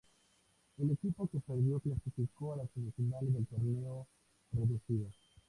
El equipo que perdió clasificó a las semifinales del "Torneo Reducido".